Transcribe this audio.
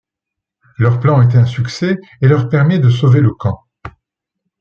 Leur plan est un succès et leur permet de sauver le camp.